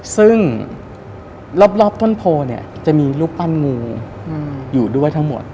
ซึ่งรอบต้นโพเนี่ยจะมีรูปปั้นงูอยู่ด้วยทั้งหมด